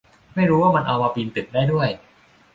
ไม่รู้ว่ามันเอามาปีนตึกได้ด้วย